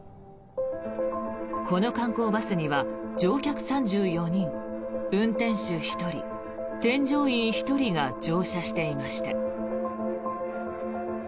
この観光バスには乗客３４人、運転手１人添乗員１人が乗車していました。